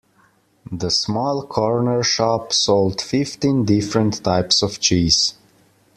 The small corner shop sold fifteen different types of cheese